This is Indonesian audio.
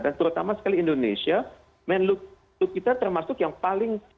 dan terutama sekali indonesia menurut kita termasuk yang paling